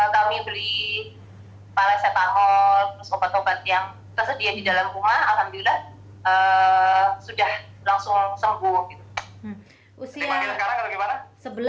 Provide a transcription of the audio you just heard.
kami beli palesepamol obat obat yang tersedia di dalam rumah alhamdulillah sudah langsung sembuh